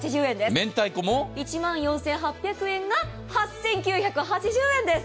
明太子も１万４８００円が８９８０円です。